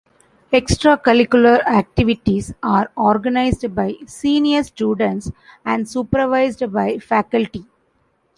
Extracurricular activities are organised by senior students and supervised by faculty.